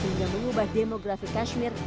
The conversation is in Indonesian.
sehingga mengubah demografi kashmir